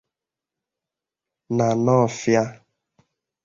Na Nawfịa